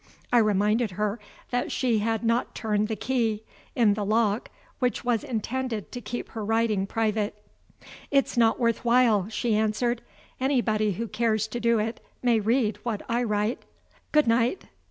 I reminded her that she had not turned the key, in the lock which was intended to keep her writing private. "It's not worth while," she answered. "Anybody who cares to do it may read what I write. Good night."